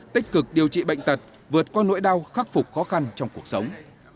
tích cực điều trị bệnh tật vượt qua nỗi đau khắc phục khó khăn trong cuộc sống